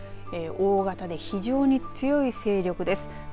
大型で非常に強い勢力です。